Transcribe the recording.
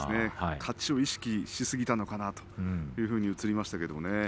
勝ちを意識しすぎたのかなというふうに映りましたけれどもね。